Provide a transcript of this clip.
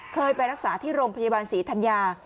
เคยไปรักษาที่โรงพยาบาลศรีธัญญา